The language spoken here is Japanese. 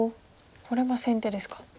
これは先手ですか。